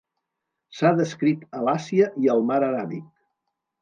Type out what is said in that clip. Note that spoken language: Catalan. S'ha descrit a l'Àsia i al mar aràbic.